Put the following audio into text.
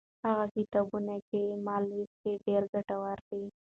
هغه کتابونه چې ما لوستي، ډېر ګټور دي.